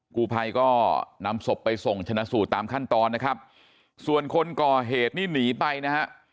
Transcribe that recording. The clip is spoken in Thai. กูภัยก็นำศพไปส่งชนะสูตรตามขั้นตอนนะครับส่วนคนก่อเหตุนี่หนีไปนะฮะ